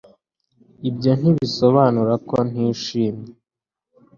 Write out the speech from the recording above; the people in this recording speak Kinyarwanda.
Ibyo ntibisobanura ko ntishimye